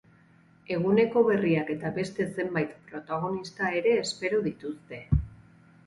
Eguneko berriak eta beste zenbait protagonista ere espero dituzte.